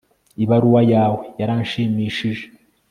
ibaruwa yawe yaranshimishije